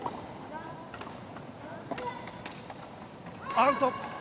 アウト。